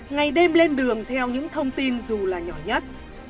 ngày đêm lên đường theo những thông tin dù là nhỏ nhất